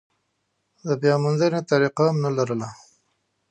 د بیاموندنې طریقه هم نه لرله.